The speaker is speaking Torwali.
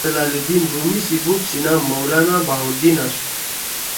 مولانا جلال الدین رومی سی بوپ سی نام مولانا بہاءالدین آشُو۔